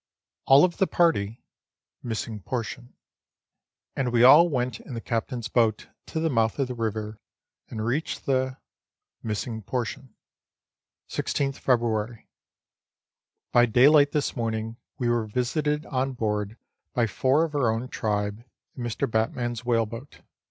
All of the party and we all went in the Captain's boat to the mouth of the river, and reached the ..... 16th February. By daylight this morning we were visited on board by four of our own tribe, in Mr. Batman's whale boat.